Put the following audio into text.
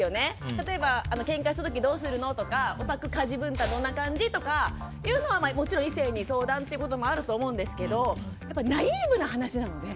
例えば、けんかした時どうするのとかお宅、家事文化どんな感じ？とかもちろん異性に相談ってこともあると思うんですけどナイーブな話なので。